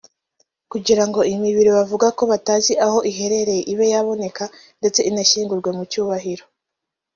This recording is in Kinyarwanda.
Kugira ngo iyi mibiri bavuga ko batazi aho iherereye ibe yaboneka ndetse inashyingurwe mu cyubahiro